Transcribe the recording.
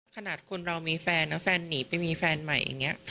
ขนาดคนเรามีแฟนนะแฟนหนีไปมีแฟนใหม่อย่างนี้